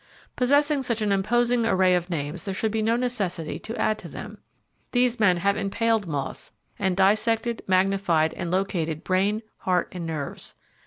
Possessing such an imposing array of names there should be no necessity to add to them. These men have impaled moths and dissected, magnified and located brain, heart and nerves.